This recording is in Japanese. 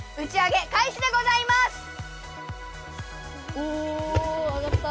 お上がった！